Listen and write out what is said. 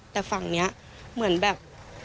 แต่ฝั่งนี้เหมือนแบบ